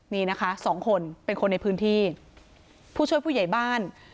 นี่นะคะสองคนเป็นคนในพื้นที่ผู้ช่วยผู้ใหญ่บ้าน